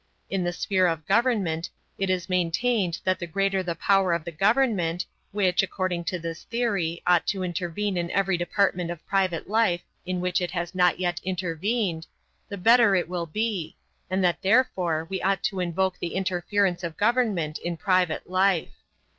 In the sphere of government it is maintained that the greater the power of the government, which, according to this theory, ought to intervene in every department of private life in which it has not yet intervened, the better it will be, and that therefore we ought to invoke the interference of government in private life.